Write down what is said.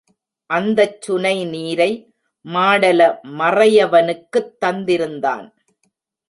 அந்தச் சுனை நீரை மாடல மறையவனுக்குத் தந்திருந்தான்.